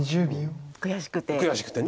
悔しくて。